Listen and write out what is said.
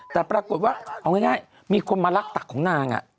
แต่ปรากฏว่าเอาง่ายมีคนมารักตักของนาง